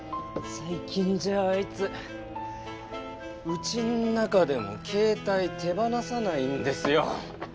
最近じゃあいつうちん中でも携帯手放さないんですよ。